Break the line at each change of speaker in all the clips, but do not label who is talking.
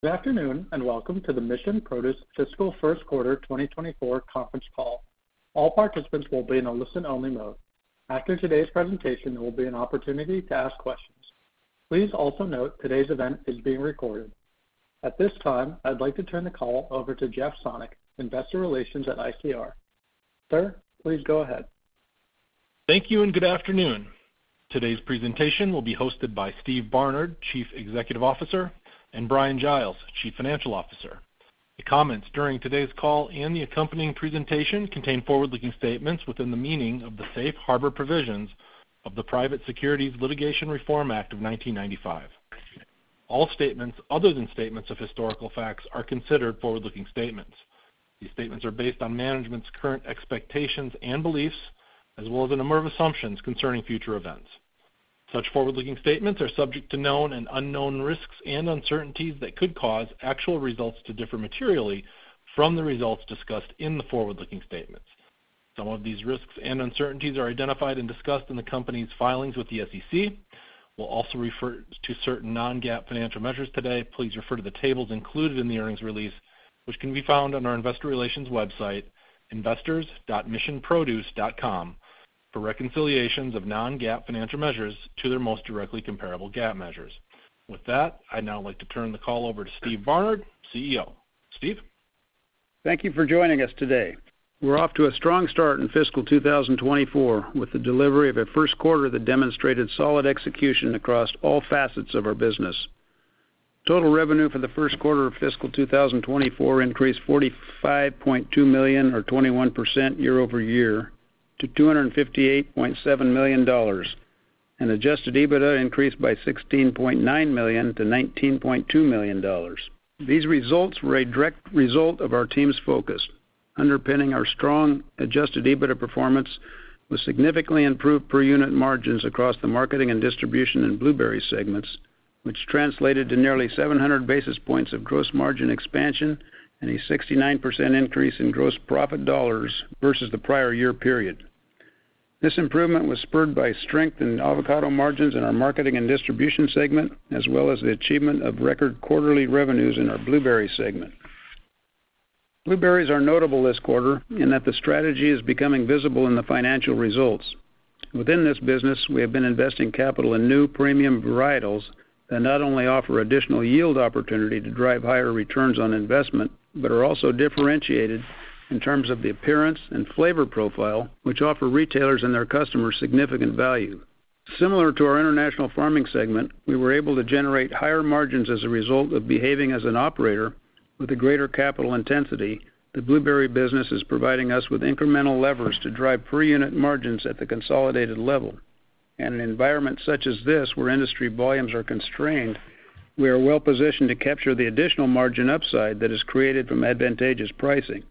Good afternoon and welcome to the Mission Produce Fiscal First Quarter 2024 conference call. All participants will be in a listen-only mode. After today's presentation, there will be an opportunity to ask questions. Please also note today's event is being recorded. At this time, I'd like to turn the call over to Jeff Sonnek, Investor Relations at ICR. Sir, please go ahead.
Thank you and good afternoon. Today's presentation will be hosted by Steve Barnard, Chief Executive Officer, and Bryan Giles, Chief Financial Officer. The comments during today's call and the accompanying presentation contain forward-looking statements within the meaning of the Safe Harbor Provisions of the Private Securities Litigation Reform Act of 1995. All statements other than statements of historical facts are considered forward-looking statements. These statements are based on management's current expectations and beliefs, as well as emerging assumptions concerning future events. Such forward-looking statements are subject to known and unknown risks and uncertainties that could cause actual results to differ materially from the results discussed in the forward-looking statements. Some of these risks and uncertainties are identified and discussed in the company's filings with the SEC. We'll also refer to certain non-GAAP financial measures today. Please refer to the tables included in the earnings release, which can be found on our Investor Relations website, investors.missionproduce.com, for reconciliations of non-GAAP financial measures to their most directly comparable GAAP measures. With that, I'd now like to turn the call over to Steve Barnard, CEO. Steve.
Thank you for joining us today. We're off to a strong start in fiscal 2024 with the delivery of a first quarter that demonstrated solid execution across all facets of our business. Total revenue for the first quarter of fiscal 2024 increased $45.2 million, or 21% year-over-year, to $258.7 million, and adjusted EBITDA increased by $16.9 million to $19.2 million. These results were a direct result of our team's focus, underpinning our strong adjusted EBITDA performance with significantly improved per-unit margins across the marketing and distribution and blueberry segments, which translated to nearly 700 basis points of gross margin expansion and a 69% increase in gross profit dollars versus the prior year period. This improvement was spurred by strength in avocado margins in our marketing and distribution segment, as well as the achievement of record quarterly revenues in our blueberry segment. Blueberries are notable this quarter in that the strategy is becoming visible in the financial results. Within this business, we have been investing capital in new premium varietals that not only offer additional yield opportunity to drive higher returns on investment but are also differentiated in terms of the appearance and flavor profile, which offer retailers and their customers significant value. Similar to our international farming segment, we were able to generate higher margins as a result of behaving as an operator with a greater capital intensity. The blueberry business is providing us with incremental levers to drive per-unit margins at the consolidated level. In an environment such as this, where industry volumes are constrained, we are well positioned to capture the additional margin upside that is created from advantageous pricing.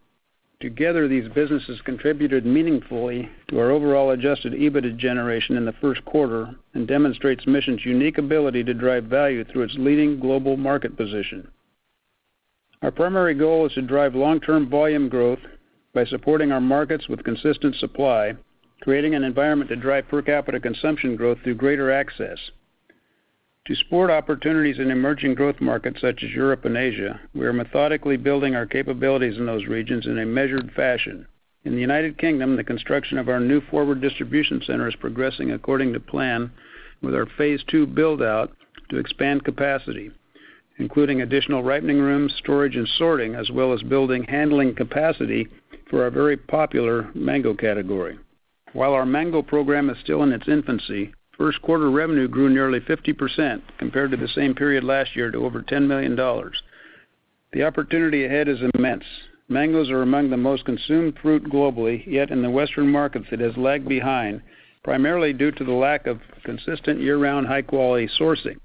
Together, these businesses contributed meaningfully to our overall Adjusted EBITDA generation in the first quarter and demonstrate Mission's unique ability to drive value through its leading global market position. Our primary goal is to drive long-term volume growth by supporting our markets with consistent supply, creating an environment to drive per capita consumption growth through greater access. To support opportunities in emerging growth markets such as Europe and Asia, we are methodically building our capabilities in those regions in a measured fashion. In the United Kingdom, the construction of our new forward distribution center is progressing according to plan with our phase two buildout to expand capacity, including additional ripening rooms, storage, and sorting, as well as building handling capacity for our very popular mango category. While our mango program is still in its infancy, first quarter revenue grew nearly 50% compared to the same period last year to over $10 million. The opportunity ahead is immense. Mangoes are among the most consumed fruit globally, yet in the Western markets, it has lagged behind primarily due to the lack of consistent year-round high-quality sourcing.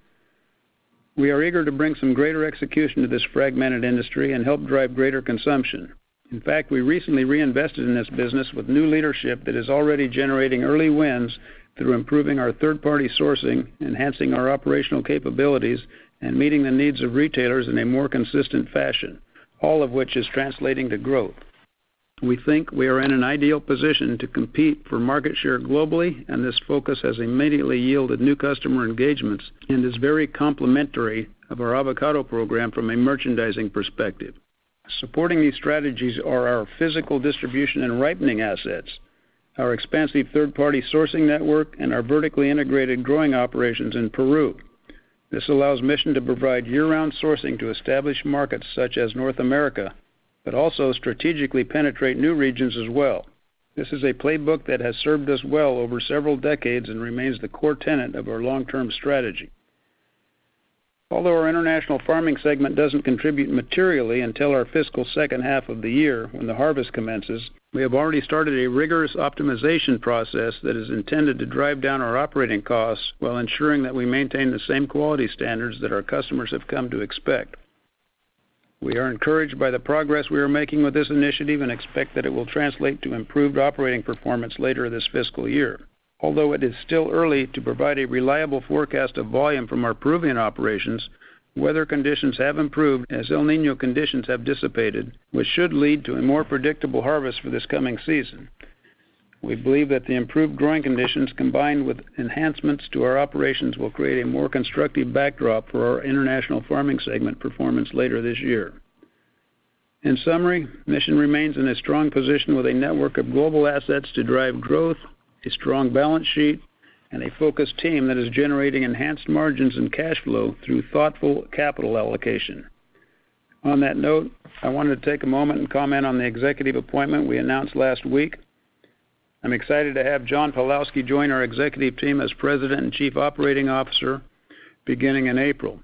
We are eager to bring some greater execution to this fragmented industry and help drive greater consumption. In fact, we recently reinvested in this business with new leadership that is already generating early wins through improving our third-party sourcing, enhancing our operational capabilities, and meeting the needs of retailers in a more consistent fashion, all of which is translating to growth. We think we are in an ideal position to compete for market share globally, and this focus has immediately yielded new customer engagements and is very complementary of our avocado program from a merchandising perspective. Supporting these strategies are our physical distribution and ripening assets, our expansive third-party sourcing network, and our vertically integrated growing operations in Peru. This allows Mission to provide year-round sourcing to established markets such as North America but also strategically penetrate new regions as well. This is a playbook that has served us well over several decades and remains the core tenet of our long-term strategy. Although our international farming segment doesn't contribute materially until our fiscal second half of the year, when the harvest commences, we have already started a rigorous optimization process that is intended to drive down our operating costs while ensuring that we maintain the same quality standards that our customers have come to expect. We are encouraged by the progress we are making with this initiative and expect that it will translate to improved operating performance later this fiscal year. Although it is still early to provide a reliable forecast of volume from our Peruvian operations, weather conditions have improved as El Niño conditions have dissipated, which should lead to a more predictable harvest for this coming season. We believe that the improved growing conditions combined with enhancements to our operations will create a more constructive backdrop for our international farming segment performance later this year. In summary, Mission Produce remains in a strong position with a network of global assets to drive growth, a strong balance sheet, and a focused team that is generating enhanced margins and cash flow through thoughtful capital allocation. On that note, I wanted to take a moment and comment on the executive appointment we announced last week. I'm excited to have John Pawlowski join our executive team as President and Chief Operating Officer beginning in April.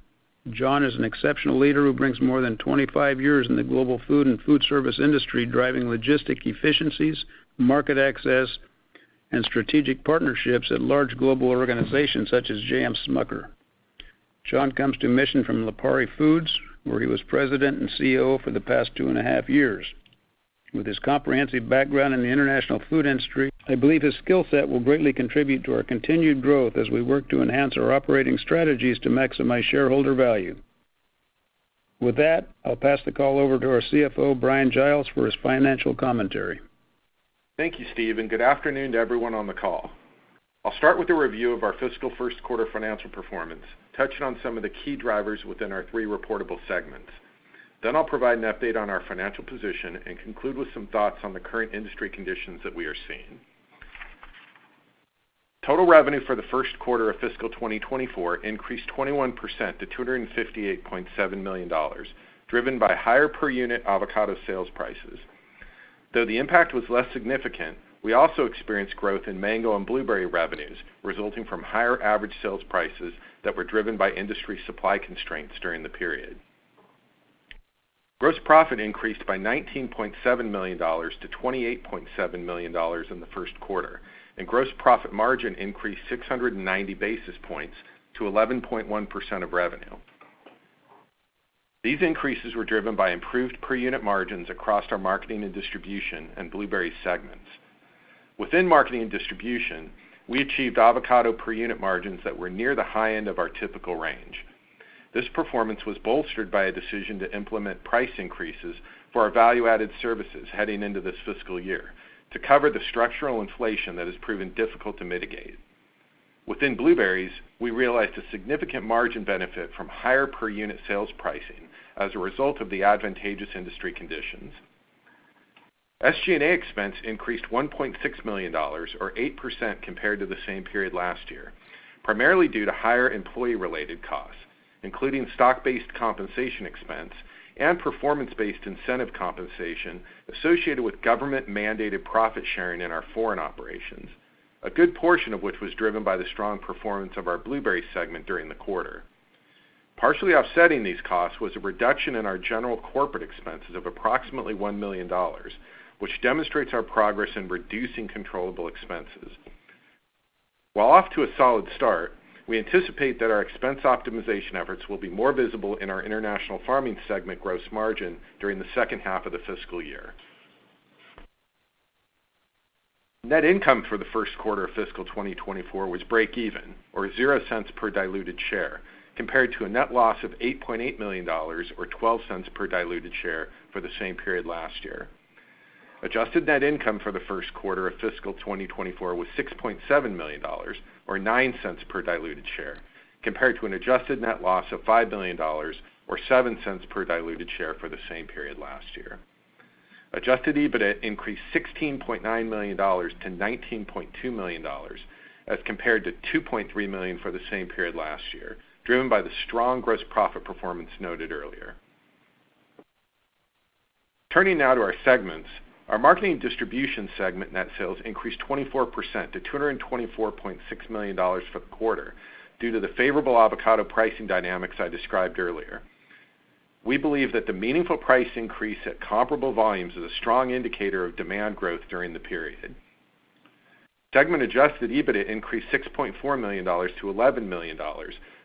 John is an exceptional leader who brings more than 25 years in the global food and food service industry driving logistic efficiencies, market access, and strategic partnerships at large global organizations such as J.M. Smucker. John comes to Mission Produce from Lipari Foods, where he was President and CEO for the past two and a half years. With his comprehensive background in the international food industry, I believe his skill set will greatly contribute to our continued growth as we work to enhance our operating strategies to maximize shareholder value. With that, I'll pass the call over to our CFO, Bryan Giles, for his financial commentary.
Thank you, Steve, and good afternoon to everyone on the call. I'll start with a review of our fiscal first quarter financial performance, touching on some of the key drivers within our three reportable segments. Then I'll provide an update on our financial position and conclude with some thoughts on the current industry conditions that we are seeing. Total revenue for the first quarter of fiscal 2024 increased 21% to $258.7 million, driven by higher per-unit avocado sales prices. Though the impact was less significant, we also experienced growth in mango and blueberry revenues, resulting from higher average sales prices that were driven by industry supply constraints during the period. Gross profit increased by $19.7 million to $28.7 million in the first quarter, and gross profit margin increased 690 basis points to 11.1% of revenue. These increases were driven by improved per-unit margins across our marketing and distribution and blueberry segments. Within marketing and distribution, we achieved avocado per-unit margins that were near the high end of our typical range. This performance was bolstered by a decision to implement price increases for our value-added services heading into this fiscal year to cover the structural inflation that has proven difficult to mitigate. Within blueberries, we realized a significant margin benefit from higher per-unit sales pricing as a result of the advantageous industry conditions. SG&A expense increased $1.6 million, or 8% compared to the same period last year, primarily due to higher employee-related costs, including stock-based compensation expense and performance-based incentive compensation associated with government-mandated profit sharing in our foreign operations, a good portion of which was driven by the strong performance of our blueberry segment during the quarter. Partially offsetting these costs was a reduction in our general corporate expenses of approximately $1 million, which demonstrates our progress in reducing controllable expenses. While off to a solid start, we anticipate that our expense optimization efforts will be more visible in our international farming segment gross margin during the second half of the fiscal year. Net income for the first quarter of fiscal 2024 was break-even, or $0.00 per diluted share, compared to a net loss of $8.8 million, or $0.12 per diluted share for the same period last year. Adjusted net income for the first quarter of fiscal 2024 was $6.7 million, or $0.09 per diluted share, compared to an adjusted net loss of $5 million, or $0.07 per diluted share for the same period last year. Adjusted EBITDA increased $16.9 million to $19.2 million as compared to $2.3 million for the same period last year, driven by the strong gross profit performance noted earlier. Turning now to our segments, our marketing and distribution segment net sales increased 24% to $224.6 million for the quarter due to the favorable avocado pricing dynamics I described earlier. We believe that the meaningful price increase at comparable volumes is a strong indicator of demand growth during the period. Segment adjusted EBITDA increased $6.4 million to $11 million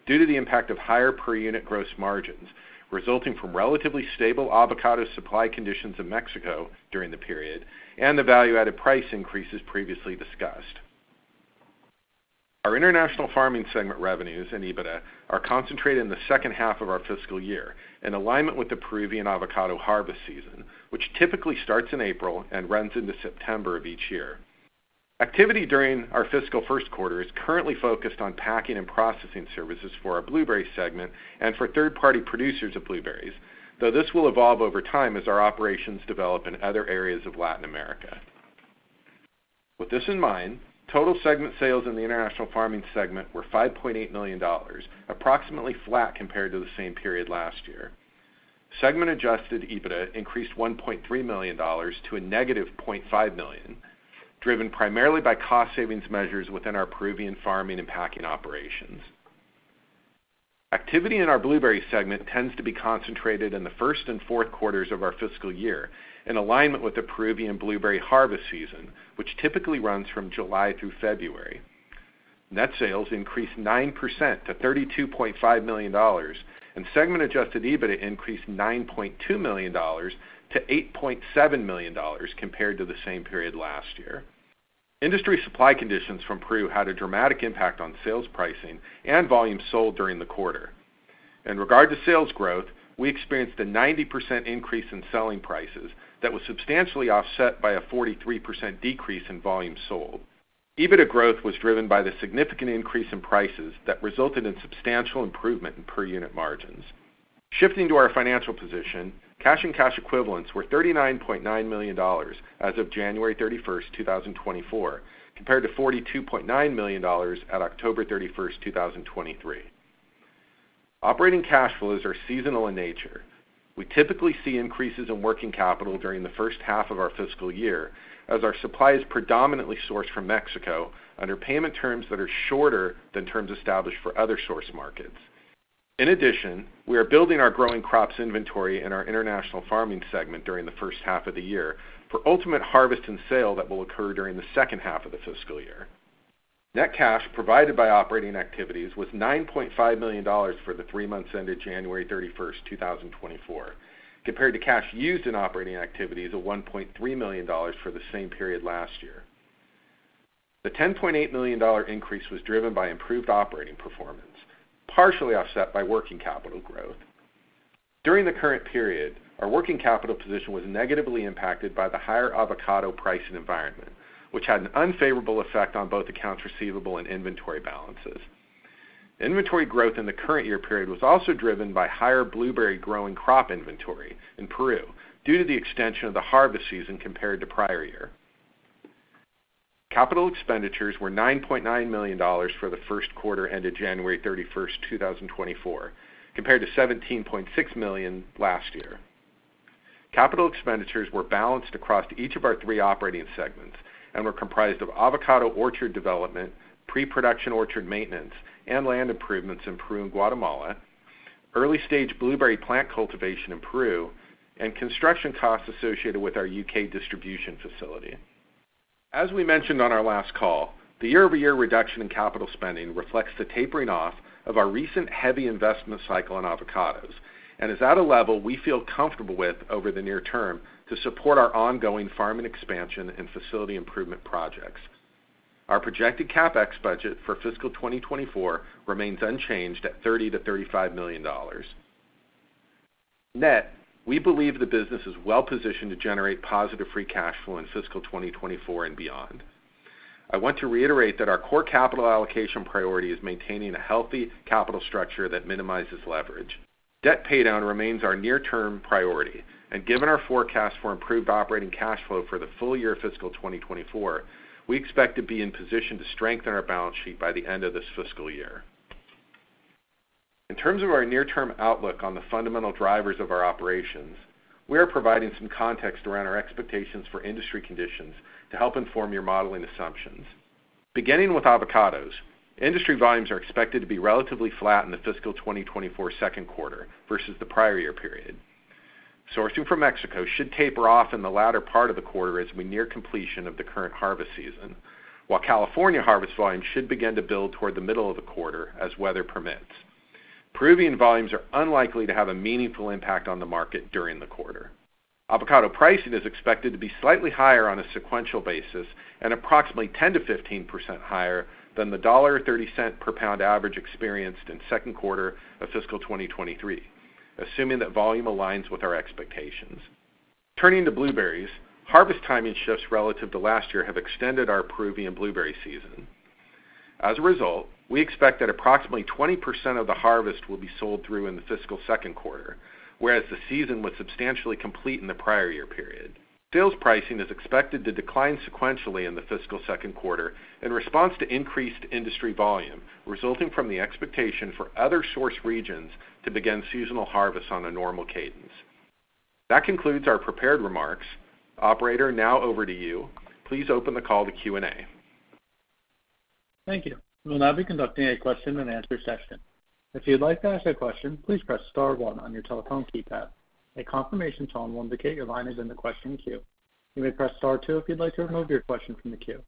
due to the impact of higher per-unit gross margins, resulting from relatively stable avocado supply conditions in Mexico during the period and the value-added price increases previously discussed. Our international farming segment revenues and EBITDA are concentrated in the second half of our fiscal year in alignment with the Peruvian avocado harvest season, which typically starts in April and runs into September of each year. Activity during our fiscal first quarter is currently focused on packing and processing services for our blueberry segment and for third-party producers of blueberries, though this will evolve over time as our operations develop in other areas of Latin America. With this in mind, total segment sales in the international farming segment were $5.8 million, approximately flat compared to the same period last year. Segment Adjusted EBITDA increased $1.3 million to a negative $0.5 million, driven primarily by cost savings measures within our Peruvian farming and packing operations. Activity in our blueberry segment tends to be concentrated in the first and fourth quarters of our fiscal year in alignment with the Peruvian blueberry harvest season, which typically runs from July through February. Net sales increased 9% to $32.5 million, and segment Adjusted EBITDA increased $9.2 million to $8.7 million compared to the same period last year. Industry supply conditions from Peru had a dramatic impact on sales pricing and volume sold during the quarter. In regard to sales growth, we experienced a 90% increase in selling prices that was substantially offset by a 43% decrease in volume sold. Adjusted EBITDA growth was driven by the significant increase in prices that resulted in substantial improvement in per-unit margins. Shifting to our financial position, cash and cash equivalents were $39.9 million as of January 31, 2024, compared to $42.9 million at October 31, 2023. Operating cash flows are seasonal in nature. We typically see increases in working capital during the first half of our fiscal year as our supply is predominantly sourced from Mexico under payment terms that are shorter than terms established for other source markets. In addition, we are building our growing crops inventory in our international farming segment during the first half of the year for ultimate harvest and sale that will occur during the second half of the fiscal year. Net cash provided by operating activities was $9.5 million for the three months ended January 31, 2024, compared to cash used in operating activities of $1.3 million for the same period last year. The $10.8 million increase was driven by improved operating performance, partially offset by working capital growth. During the current period, our working capital position was negatively impacted by the higher avocado price and environment, which had an unfavorable effect on both accounts receivable and inventory balances. Inventory growth in the current year period was also driven by higher blueberry growing crop inventory in Peru due to the extension of the harvest season compared to prior year. Capital expenditures were $9.9 million for the first quarter ended January 31, 2024, compared to $17.6 million last year. Capital expenditures were balanced across each of our three operating segments and were comprised of avocado orchard development, pre-production orchard maintenance, and land improvements in Peru and Guatemala, early-stage blueberry plant cultivation in Peru, and construction costs associated with our U.K. distribution facility. As we mentioned on our last call, the year-over-year reduction in capital spending reflects the tapering off of our recent heavy investment cycle in avocados and is at a level we feel comfortable with over the near term to support our ongoing farming expansion and facility improvement projects. Our projected CapEx budget for fiscal 2024 remains unchanged at $30-$35 million. Net, we believe the business is well-positioned to generate positive free cash flow in fiscal 2024 and beyond. I want to reiterate that our core capital allocation priority is maintaining a healthy capital structure that minimizes leverage. Debt paydown remains our near-term priority, and given our forecast for improved operating cash flow for the full year of fiscal 2024, we expect to be in position to strengthen our balance sheet by the end of this fiscal year. In terms of our near-term outlook on the fundamental drivers of our operations, we are providing some context around our expectations for industry conditions to help inform your modeling assumptions. Beginning with avocados, industry volumes are expected to be relatively flat in the fiscal 2024 second quarter versus the prior year period. Sourcing from Mexico should taper off in the latter part of the quarter as we near completion of the current harvest season, while California harvest volumes should begin to build toward the middle of the quarter as weather permits. Peruvian volumes are unlikely to have a meaningful impact on the market during the quarter. Avocado pricing is expected to be slightly higher on a sequential basis and approximately 10%-15% higher than the $1.30 per pound average experienced in second quarter of fiscal 2023, assuming that volume aligns with our expectations. Turning to blueberries, harvest timing shifts relative to last year have extended our Peruvian blueberry season. As a result, we expect that approximately 20% of the harvest will be sold through in the fiscal second quarter, whereas the season was substantially complete in the prior year period. Sales pricing is expected to decline sequentially in the fiscal second quarter in response to increased industry volume, resulting from the expectation for other source regions to begin seasonal harvest on a normal cadence. That concludes our prepared remarks. Operator, now over to you. Please open the call to Q&A.
Thank you. We will now be conducting a question-and-answer session. If you would like to ask a question, please press star one on your telephone keypad. A confirmation tone will indicate your line is in the question queue. You may press star two if you would like to remove your question from the queue.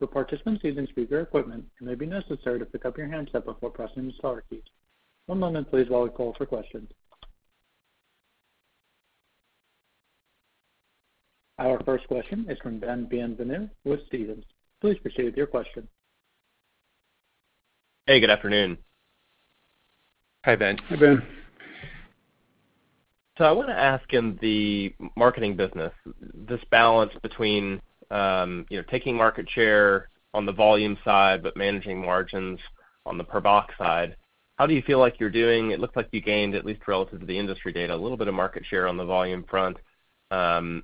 Your participation is in a listen-only mode, and it may be necessary to pick up your handset before pressing the star keys. One moment, please, while we call for questions. Our first question is from Ben Bienvenue with Stephens. Please proceed with your question.
Hey, good afternoon. Hi, Ben.
Hi, Ben.
I want to ask in the marketing business, this balance between taking market share on the volume side but managing margins on the per box side, how do you feel like you're doing? It looks like you gained, at least relative to the industry data, a little bit of market share on the volume front, and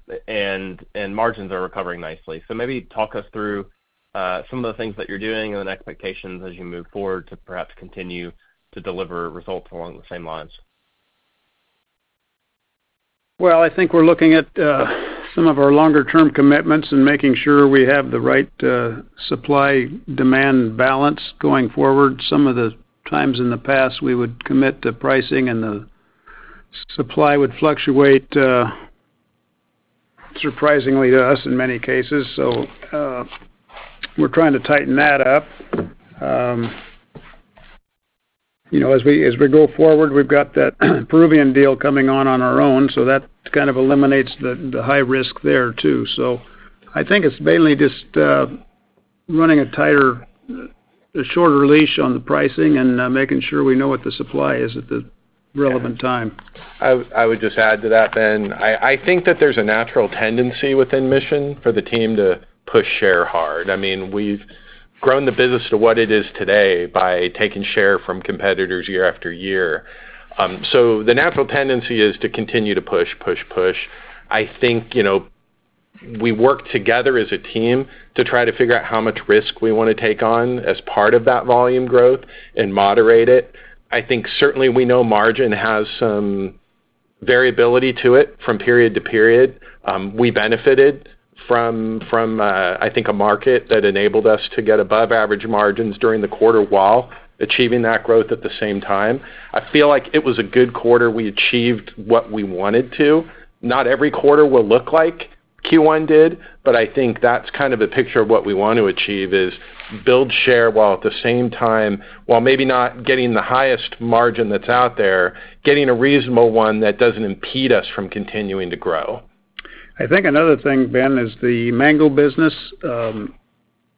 margins are recovering nicely. Maybe talk us through some of the things that you're doing and the expectations as you move forward to perhaps continue to deliver results along the same lines.
Well, I think we're looking at some of our longer-term commitments and making sure we have the right supply-demand balance going forward. Some of the times in the past, we would commit to pricing, and the supply would fluctuate surprisingly to us in many cases. So we're trying to tighten that up. As we go forward, we've got that Peruvian deal coming on our own, so that kind of eliminates the high risk there too. So I think it's mainly just running a shorter leash on the pricing and making sure we know what the supply is at the relevant time.
I would just add to that, Ben. I think that there's a natural tendency within Mission for the team to push share hard. I mean, we've grown the business to what it is today by taking share from competitors year after year. So the natural tendency is to continue to push, push, push. I think we work together as a team to try to figure out how much risk we want to take on as part of that volume growth and moderate it. I think certainly we know margin has some variability to it from period to period. We benefited from, I think, a market that enabled us to get above-average margins during the quarter while achieving that growth at the same time. I feel like it was a good quarter. We achieved what we wanted to. Not every quarter will look like Q1 did, but I think that's kind of a picture of what we want to achieve is build share while at the same time, while maybe not getting the highest margin that's out there, getting a reasonable one that doesn't impede us from continuing to grow.
I think another thing, Ben, is the mango business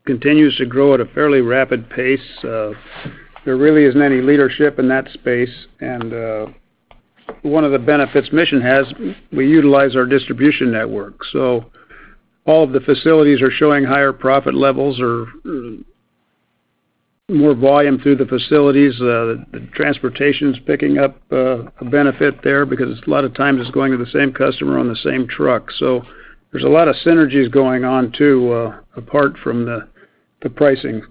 continues to grow at a fairly rapid pace. There really isn't any leadership in that space. And one of the benefits Mission has, we utilize our distribution network. So all of the facilities are showing higher profit levels or more volume through the facilities. The transportation's picking up a benefit there because a lot of times it's going to the same customer on the same truck. So there's a lot of synergies going on too apart from the pricing.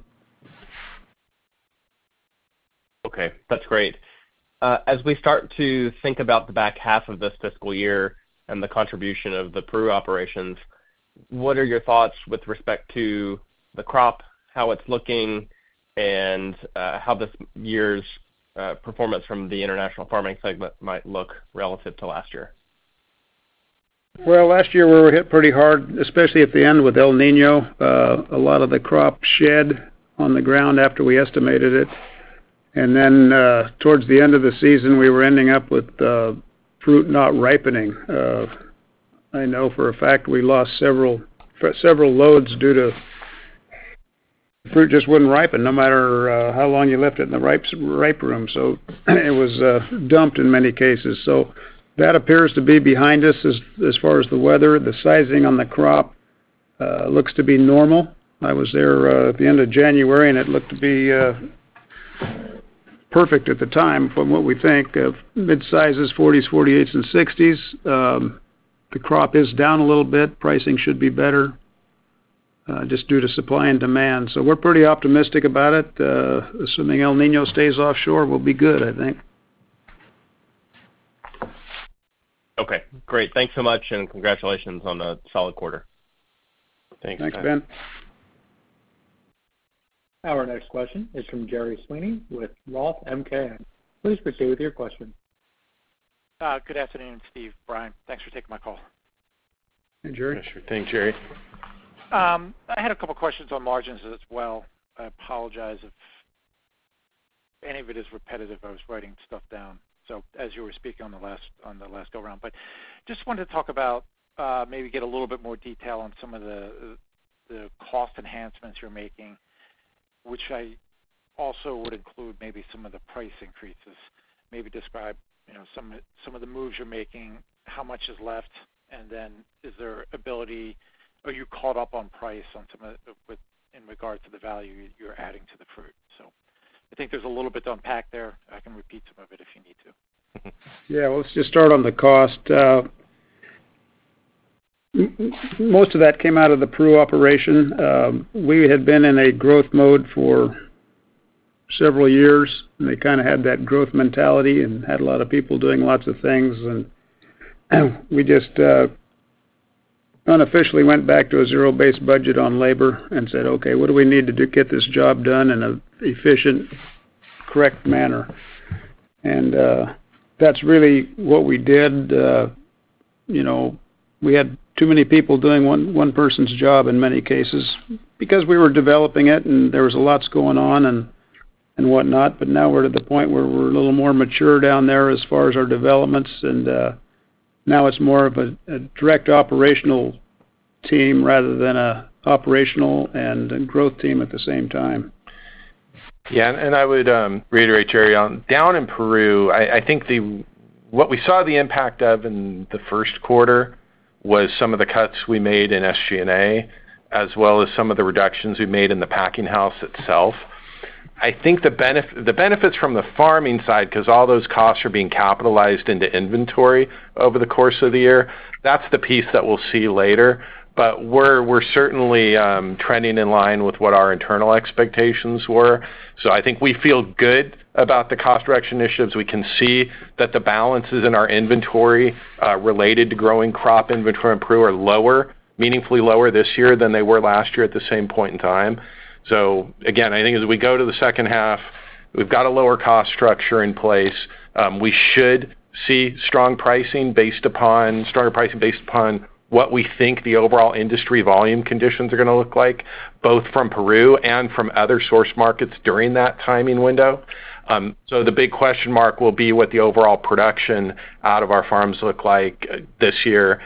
Okay. That's great. As we start to think about the back half of this fiscal year and the contribution of the Peru operations, what are your thoughts with respect to the crop, how it's looking, and how this year's performance from the international farming segment might look relative to last year?
Well, last year, we were hit pretty hard, especially at the end with El Niño. A lot of the crop shed on the ground after we estimated it. And then towards the end of the season, we were ending up with fruit not ripening. I know for a fact we lost several loads due to fruit just wouldn't ripen, no matter how long you left it in the ripe room. So it was dumped in many cases. So that appears to be behind us as far as the weather. The sizing on the crop looks to be normal. I was there at the end of January, and it looked to be perfect at the time from what we think of mid-sizes, 40s, 48s, and 60s. The crop is down a little bit. Pricing should be better just due to supply and demand. So we're pretty optimistic about it. Assuming El Niño stays offshore, we'll be good, I think.
Okay. Great. Thanks so much, and congratulations on a solid quarter. Thanks, Ben.
Thanks, Ben.
Our next question is from Gerry Sweeney with Roth MKM. Please proceed with your question.
Good afternoon, Steve, Bryan. Thanks for taking my call.
Hey, Gerry.
Yes, sir. Thanks, Gerry. I had a couple of questions on margins as well. I apologize if any of it is repetitive. I was writing stuff down as you were speaking on the last go-around. But just wanted to talk about maybe get a little bit more detail on some of the cost enhancements you're making, which I also would include maybe some of the price increases. Maybe describe some of the moves you're making, how much is left, and then is there ability are you caught up on price in regard to the value you're adding to the fruit? So I think there's a little bit to unpack there. I can repeat some of it if you need to.
Yeah. Well, let's just start on the cost. Most of that came out of the Peru operation. We had been in a growth mode for several years, and they kind of had that growth mentality and had a lot of people doing lots of things. And we just unofficially went back to a zero-based budget on labor and said, "Okay, what do we need to get this job done in an efficient, correct manner?" And that's really what we did. We had too many people doing one person's job in many cases because we were developing it, and there was a lot going on and whatnot. But now we're to the point where we're a little more mature down there as far as our developments. And now it's more of a direct operational team rather than an operational and growth team at the same time. Yeah. I would reiterate, Gerry, down in Peru, I think what we saw the impact of in the first quarter was some of the cuts we made in SG&A as well as some of the reductions we made in the packing house itself. I think the benefits from the farming side because all those costs are being capitalized into inventory over the course of the year, that's the piece that we'll see later. We're certainly trending in line with what our internal expectations were. I think we feel good about the cost reduction initiatives. We can see that the balances in our inventory related to growing crop inventory in Peru are meaningfully lower this year than they were last year at the same point in time. Again, I think as we go to the second half, we've got a lower cost structure in place. We should see stronger pricing based upon what we think the overall industry volume conditions are going to look like, both from Peru and from other source markets during that timing window. So the big question mark will be what the overall production out of our farms look like this year.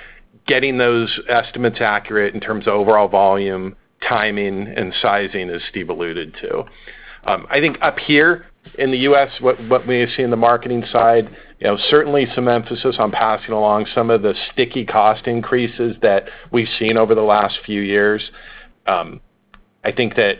Getting those estimates accurate in terms of overall volume, timing, and sizing as Steve alluded to. I think up here in the U.S., what we have seen in the marketing side, certainly some emphasis on passing along some of the sticky cost increases that we've seen over the last few years. I think that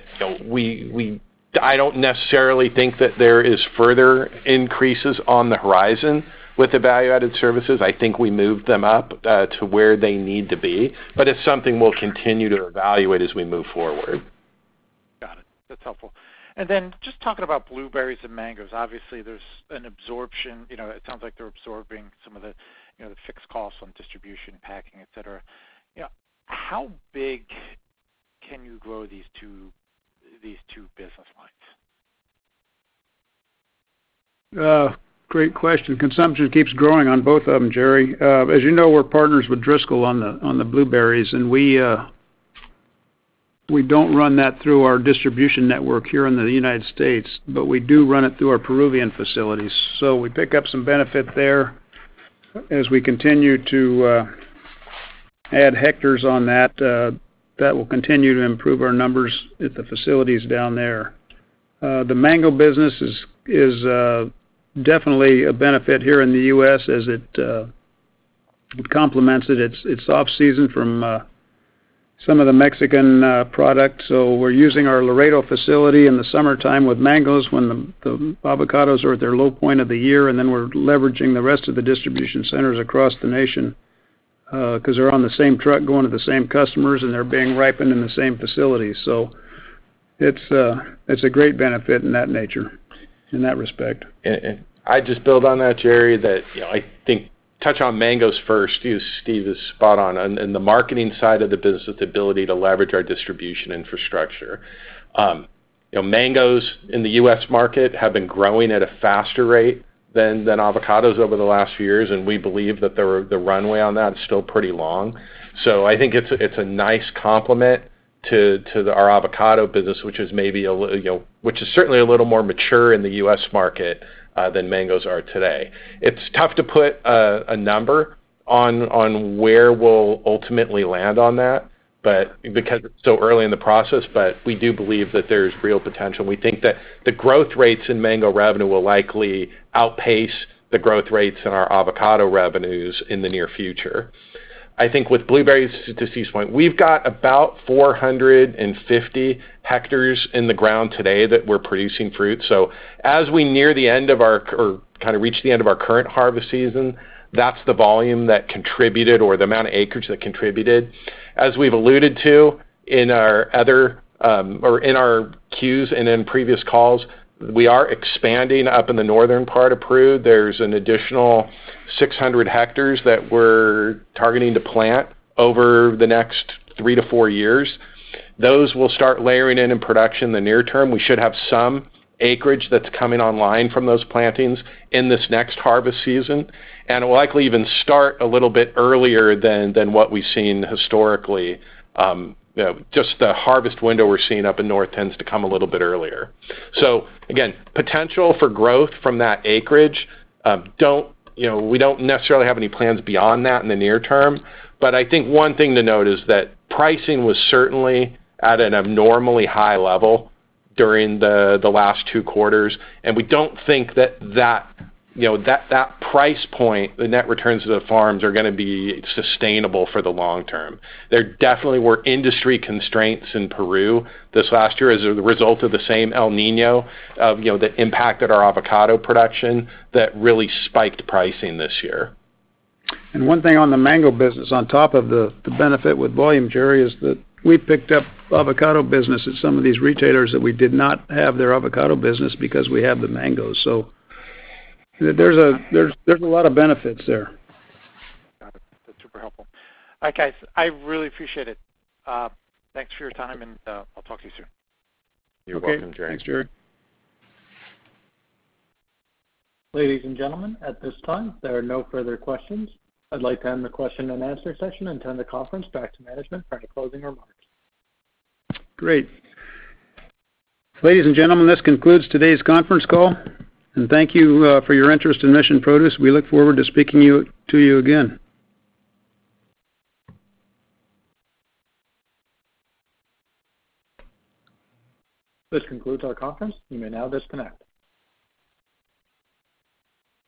I don't necessarily think that there are further increases on the horizon with the value-added services. I think we moved them up to where they need to be. But it's something we'll continue to evaluate as we move forward.
Got it. That's helpful. And then just talking about blueberries and mangoes, obviously, there's an absorption. It sounds like they're absorbing some of the fixed costs on distribution, packing, etc. How big can you grow these two business lines?
Great question. Consumption keeps growing on both of them, Gerry. As you know, we're partners with Driscoll's on the blueberries, and we don't run that through our distribution network here in the United States, but we do run it through our Peruvian facilities. So we pick up some benefit there. As we continue to add hectares on that, that will continue to improve our numbers at the facilities down there. The mango business is definitely a benefit here in the U.S. as it complements it. It's off-season from some of the Mexican products. So we're using our Laredo facility in the summertime with mangoes when the avocados are at their low point of the year. And then we're leveraging the rest of the distribution centers across the nation because they're on the same truck going to the same customers, and they're being ripened in the same facilities. It's a great benefit in that nature, in that respect. And I'd just build on that, Jerry, that I think touch on mangoes first. Steve is spot on. And the marketing side of the business, the ability to leverage our distribution infrastructure. Mangoes in the U.S. market have been growing at a faster rate than avocados over the last few years, and we believe that the runway on that is still pretty long. So I think it's a nice complement to our avocado business, which is maybe a little which is certainly a little more mature in the U.S. market than mangoes are today. It's tough to put a number on where we'll ultimately land on that because it's so early in the process, but we do believe that there's real potential. We think that the growth rates in mango revenue will likely outpace the growth rates in our avocado revenues in the near future. I think with blueberries, to Steve's point, we've got about 450 hectares in the ground today that we're producing fruit. So as we near the end of our kind of reach the end of our current harvest season, that's the volume that contributed or the amount of acreage that contributed. As we've alluded to in our other or in our Q's and in previous calls, we are expanding up in the northern part of Peru. There's an additional 600 hectares that we're targeting to plant over the next 3-4 years. Those will start layering in in production in the near term. We should have some acreage that's coming online from those plantings in this next harvest season. And it will likely even start a little bit earlier than what we've seen historically. Just the harvest window we're seeing up in north tends to come a little bit earlier. So again, potential for growth from that acreage. We don't necessarily have any plans beyond that in the near term. But I think one thing to note is that pricing was certainly at an abnormally high level during the last two quarters. We don't think that that price point, the net returns to the farms, are going to be sustainable for the long term. There definitely were industry constraints in Peru this last year as a result of the same El Niño that impacted our avocado production that really spiked pricing this year. One thing on the mango business, on top of the benefit with volume, Gerry, is that we picked up avocado business at some of these retailers that we did not have their avocado business because we have the mangoes. There's a lot of benefits there.
Got it. That's super helpful. All right, guys. I really appreciate it. Thanks for your time, and I'll talk to you soon.
You're welcome, Gerry. Thanks, Jerry.
Ladies and gentlemen, at this time, there are no further questions. I'd like to end the question and answer session and turn the conference back to management for any closing remarks.
Great. Ladies and gentlemen, this concludes today's conference call. Thank you for your interest in Mission Produce. We look forward to speaking to you again.
This concludes our conference. You may now disconnect.